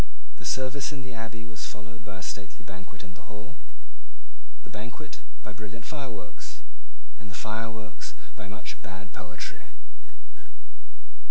The service in the Abbey was followed by a stately banquet in the Hall, the banquet by brilliant fireworks, and the fireworks by much bad poetry.